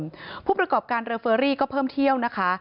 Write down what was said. ผู้ประกอบการเรือเฟอรี่ก็เพิ่มเที่ยวนะคะ